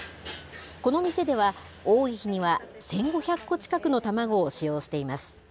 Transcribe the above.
この店では、多い日には１５００個近くの卵を使用しています。